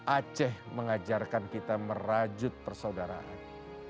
aceh mengajarkan kita merajut persaudaraan